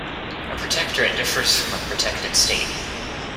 A protectorate differs from a "protected state".